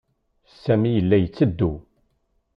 Sami yella yetteddu.